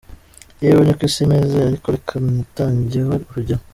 Yewe niko isi imeze, ariko reka nitangeho urugero.